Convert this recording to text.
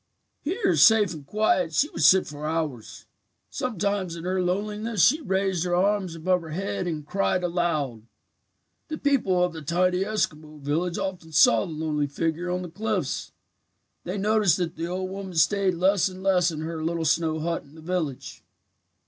"Here, safe and quiet, she would sit for hours. Sometimes in her loneliness she raised her arms above her head and cried aloud. "The people of the tiny Eskimo village often saw the lonely figure on the cliffs. They noticed that the old woman stayed less and less in her little snow hut in the village.